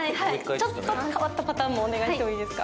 ちょっと変わったパターンもお願いしてもいいですか。